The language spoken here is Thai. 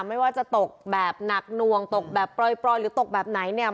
ไม่ว่าจะตกแบบหนักหน่วงตกแบบปล่อยหรือตกแบบไหนเนี่ย